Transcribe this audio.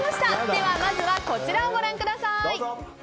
ではまずこちらをご覧ください。